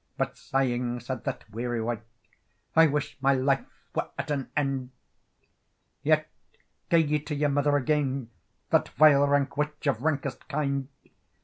But, sighing, said that weary wight— "I wish my life were at an end!" "Yet gae ye to your mother again, That vile rank witch, of rankest kind!